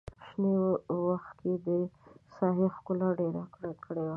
شنې وښکې د ساحې ښکلا ډېره کړې وه.